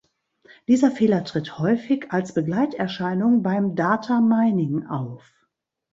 Dieser Fehler tritt häufig als Begleiterscheinung beim Data-Mining auf.